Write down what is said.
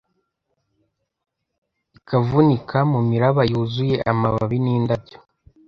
ikavunika mumiraba yuzuye amababi n'indabyo.